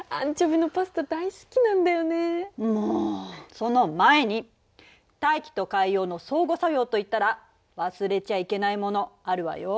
その前に大気と海洋の相互作用といったら忘れちゃいけないものあるわよ。